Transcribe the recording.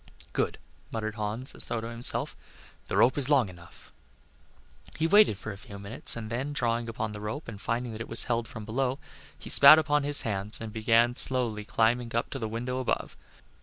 "Good," muttered Hans, as though to himself. "The rope is long enough." He waited for a few minutes and then, drawing upon the rope and finding that it was held from below, he spat upon his hands and began slowly climbing up to the window above.